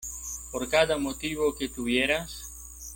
por cada motivo que tuvieras